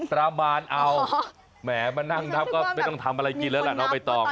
ตราบานเอาแหมมานั่งนับก็ไม่ต้องทำอะไรกินเพราะแล้วเราเอาไปต้อง